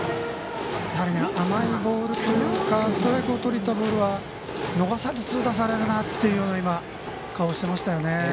やはり、甘いボールというかストライクをとりにいったボールは逃さず痛打されるなというような顔していましたよね。